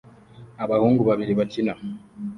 Abahungu babiri bakina